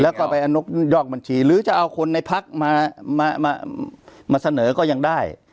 แล้วก็ไปยอกบัญชีหรือจะเอาคนในพักมาเสนอก็ยังได้